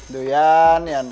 duh yan yan